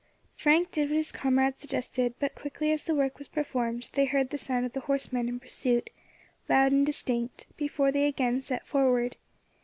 Frank did what his comrade suggested; but quickly as the work was performed, they heard the sound of the horsemen in pursuit, loud and distinct, before they again set forward.